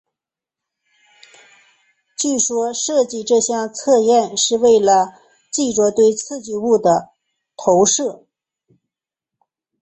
据说设计这项测验是为了藉着对刺激物的投射以反映出人格中的下意识部分。